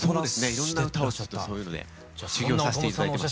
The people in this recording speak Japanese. いろんな歌を歌ってそういうので修業させて頂いてました。